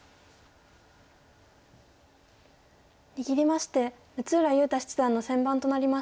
握りまして六浦雄太七段の先番となりました。